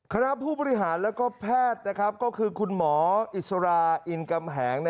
คณะผู้บริหารและแพทย์ก็คือคุณหมออิสราอินกำแหง